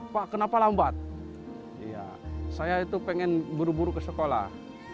pak kenapa lambat saya itu pengen buru buru ke sekolah